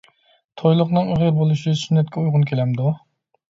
تويلۇقنىڭ ئېغىر بولۇشى سۈننەتكە ئۇيغۇن كېلەمدۇ؟